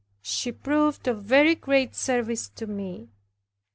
She proved of very great service to me.